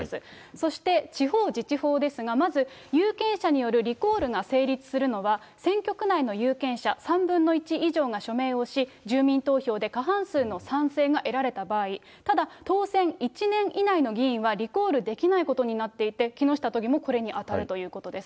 そして、地方自治法ですが、まず有権者によるリコールが成立するのは、選挙区内の有権者３分の１以上が署名をし、住民投票で過半数の賛成が得られた場合、ただ当選１年以内の議員はリコールできないことになっていて、木下都議もこれに当たるということです。